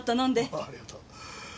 ああありがとう。